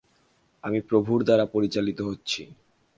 আমি প্রভুর দ্বারা পরিচালিত হচ্ছি।